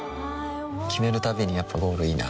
決めるたびにやっぱゴールいいなってふん